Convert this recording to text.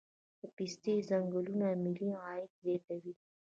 د پستې ځنګلونه ملي عاید زیاتوي